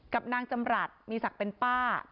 กับนางจำรัฐมีศักดิ์เป็นป้า